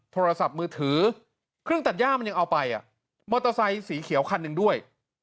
โทรศัพท์มือถือเครื่องตัดย่ามันยังเอาไปมอเตอร์ไซค์สีเขียวคันหนึ่งด้วย